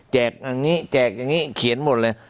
อย่างนี้แจกอย่างนี้เขียนหมดเลย